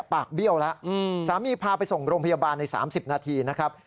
เบี้ยวแล้วสามีพาไปส่งโรงพยาบาลใน๓๐นาทีนะครับ